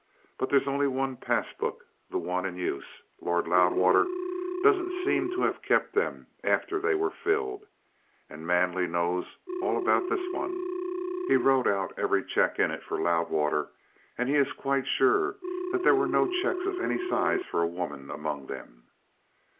But there's only one passbook, the one in use. Lord Loudwater doesn't seem to have kept them after they were filled. And Manley knows all about this one; he wrote out every cheque in it for Loudwater, and he is quite sure that there were no cheques of any size for a woman among them."